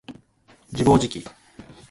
自暴自棄